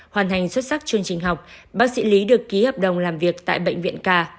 hoàn thành xuất sắc chương trình học bác sĩ lý được ký hợp đồng làm việc tại bệnh viện ca